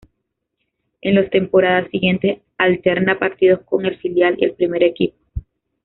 En las temporadas siguientes alterna partidos con el filial y el primer equipo.